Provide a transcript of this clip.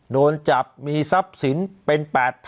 โดนจับมีทรัพย์สินเป็น๘๐๐๐